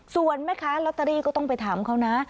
ส่วนแม่ค้าลอตเตอรี่ก็ต้องไปถามเขานะ